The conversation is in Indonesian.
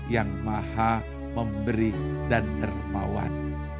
yang maha memberi dan dermawan